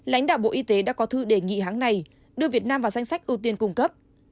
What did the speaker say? lãnh đạo bộ y tế đã có thư đề nghị hãng này đưa việt nam vào danh sách ưu tiên cung cấp